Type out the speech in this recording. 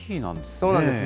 そうなんですね。